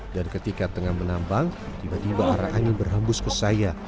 dan ketika tengah menambang tiba tiba arah angin berhembus ke saya